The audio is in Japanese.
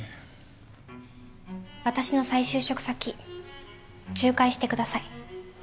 私の再就職先仲介してください。